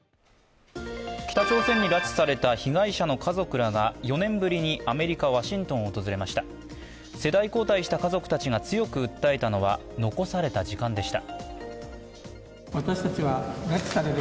北朝鮮に拉致された被害者の家族らが４年ぶりにアメリカ・ワシントンを訪れました世代交代した家族たちが強く訴えたのは残された時間でした。